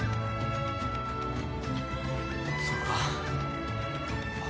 そうか。